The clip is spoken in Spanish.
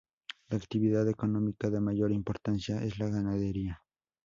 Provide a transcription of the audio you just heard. La actividad económica de mayor importancia es la ganadería.